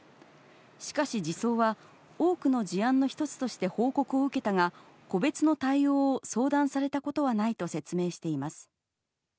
しかし児相は、多くの事案の一つとして報告を受けたが、個別の対応を相談されたことはないと説明しています。